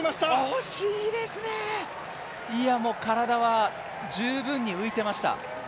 惜しいですね、いやもう、体は十分に浮いてました。